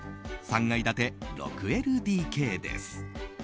３階建て６ＬＤＫです。